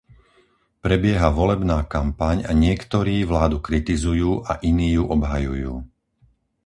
Prebieha volebná kampaň a niektorí vládu kritizujú a iní ju obhajujú.